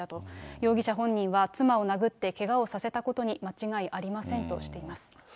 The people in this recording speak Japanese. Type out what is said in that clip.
容疑者本人は、妻を殴ってけがをさせたことに間違いありませんとしています。